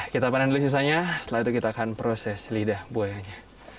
kita panen dulu sisanya setelah itu kita akan proses lidah buayanya